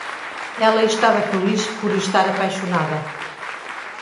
Ela estava feliz por estar apaixonada.